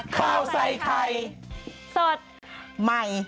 ข้าวใส่ไข่สดใหม่